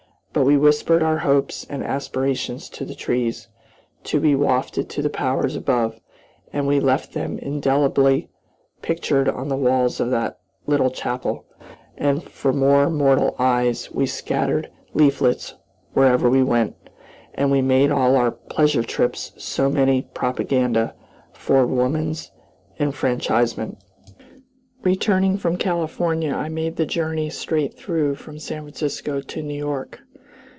But we whispered our hopes and aspirations to the trees, to be wafted to the powers above, and we left them indelibly pictured on the walls of the little chapel, and for more mortal eyes we scattered leaflets wherever we went, and made all our pleasure trips so many propaganda for woman's enfranchisement. Returning from California I made the journey straight through from San Francisco to New York.